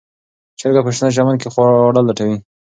چرګه په شنه چمن کې خواړه لټوي.